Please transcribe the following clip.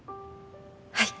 はい。